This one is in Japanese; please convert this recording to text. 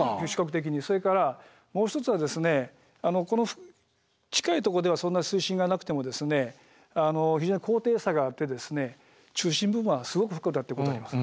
それからもう一つはこの近いとこではそんな水深がなくても非常に高低差があって中心部分はすごく深くなってることあります。